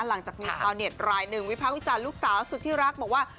หลังจากมีชาวเน็ตรายหนึ่งวิพากษ์วิจารณ์ลูกสาวสุดที่รักบอกว่า